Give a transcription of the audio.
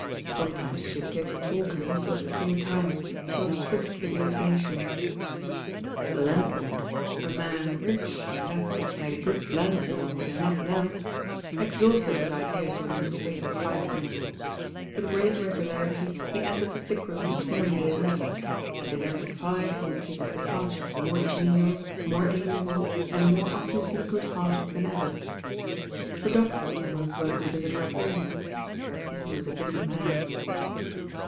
Sometimes she appeared to talk and whistle at the same time, so swift were the alternations. The landlord — a man rich in that which made t h LOST D^YS AND THE DOCTOR M good landlord but in nothing else— exhausted hit ideas within the space of five minutes. With great regularity he entered the sick room each morning at eleven, at eleven five he would take his departure, more genial, more amiable, and more obviously good hearted than ever. The doctor was the most welcome visitor of all; but he was a busy man.